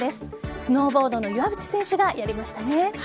スノーボードの岩渕選手がやりましたね。